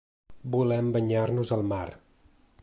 Volem banyar-nos al mar.